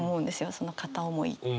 その片思いとかって。